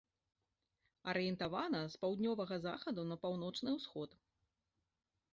Арыентавана за паўднёвага захаду на паўночны усход.